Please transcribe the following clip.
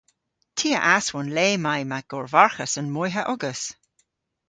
Ty a aswon le may ma gorvarghas an moyha ogas.